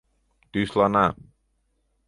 тӱслана